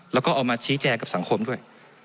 แล้วก็เอามาชี้แจงกับสังคมด้วย